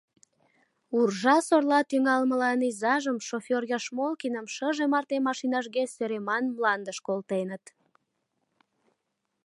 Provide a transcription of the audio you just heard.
Уржа-сорла тӱҥалмылан изажым, шофёр Яшмолкиным, шыже марте машинажге сӧреман мландыш колтеныт.